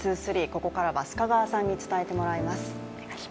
ここからは須賀川さんに伝えてもらいます。